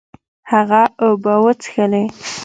هغه اوبه وڅښلې.